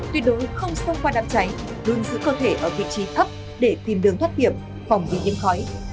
tuyệt đối không xông qua đám cháy đừng giữ cơ thể ở vị trí thấp để tìm đường thoát điểm phòng vì nhiễm khói